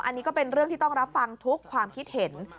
อันนี้ก็เป็นเรื่องที่ต้องรับฟังทุกความคิดเห็น